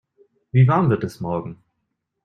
Wie warm wird es morgen?